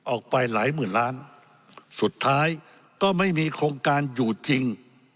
ออกไปหลายหมื่นล้านสุดท้ายก็ไม่มีโครงการอยู่จริง